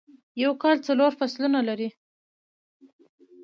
یو کال څلور فصلونه لري.